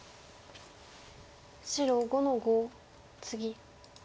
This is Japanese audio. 白５の五ツギ。